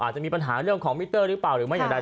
จะมีปัญหาเรื่องของมิเตอร์หรือเปล่าหรือไม่อย่างไร